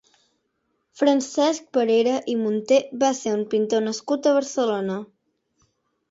Francesc Parera i Munté va ser un pintor nascut a Barcelona.